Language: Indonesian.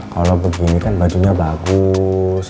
kalau begini kan bajunya bagus